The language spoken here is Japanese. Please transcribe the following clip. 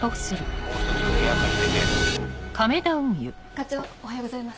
課長おはようございます。